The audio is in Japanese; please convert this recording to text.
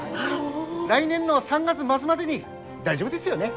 来年の３月末までに大丈夫ですよね？